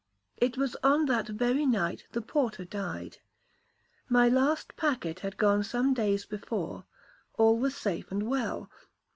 It was on that very night the porter died. My last packet had gone some days before,—all was safe and well.